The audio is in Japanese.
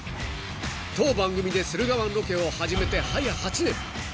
［当番組で駿河湾ロケを始めてはや８年］